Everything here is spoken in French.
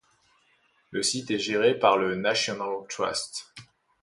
Le site est géré par le National Trust.